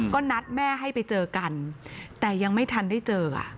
ก็นัดแม่ให้ไปเจอกันแต่ยังไม่ทันได้เจอ